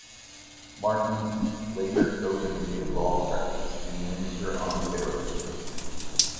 Martin later opened a law practice in Windsor, Ontario.